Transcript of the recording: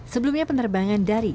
sebelumnya penerbangan dari